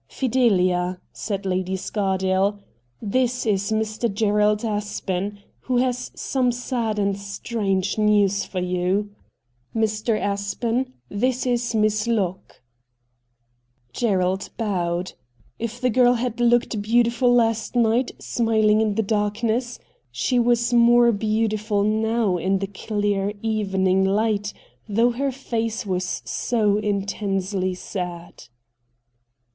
' Fideha,' said Lady Scardale, ' this is Mr. Gerald Aspen, who has some sad and strange news for you. Mr. Aspen, this is Miss Locke.' Gerald bowed. If the girl had looked beautiful last night, smiling in the darkness, she was more beautiful now in the clear even ing Hght, though her face was so intensely sad.